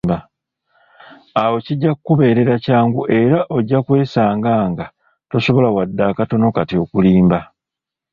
Awo kijja kukubeerera kyangu era ojja kwesanga nga tosobola wadde akatono kati okulimba.